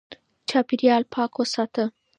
چاپېريال پاک وساته